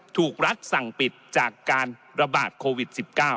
ถูกรัฐสั่งปิดจากการระบาดโควิด๑๙